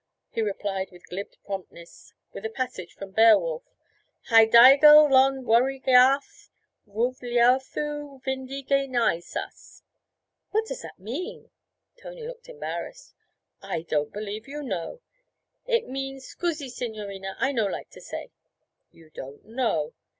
He replied with glib promptness, with a passage from Beowulf 'Hie dygel lond warigeath, wulfhleothu, windige naessas.' 'What does that mean?' Tony looked embarrassed. 'I don't believe you know!' 'It means scusi, signorina, I no like to say.' 'You don't know.'